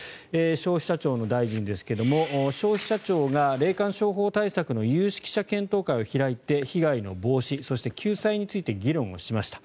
消費者庁の大臣ですが消費者庁が霊感商法対策の有識者検討会を開いて被害の防止、そして救済について議論をしました。